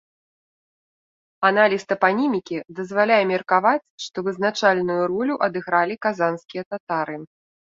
Аналіз тапанімікі дазваляе меркаваць, што вызначальную ролю адыгралі казанскія татары.